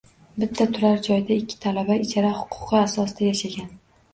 Bitta turar joyda ikki talaba ijara huquqi asosida yashagan